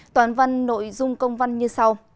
toàn văn nội dung công văn như sau